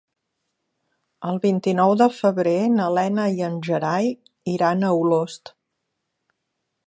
El vint-i-nou de febrer na Lena i en Gerai iran a Olost.